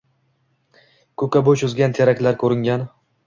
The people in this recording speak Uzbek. Ko‘kka bo‘y cho‘zgan teraklar ko‘ringan